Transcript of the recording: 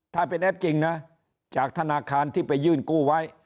ถ้าเป็นแอปจริงนะจากธนาคารที่ไปยื่นกู้ไว้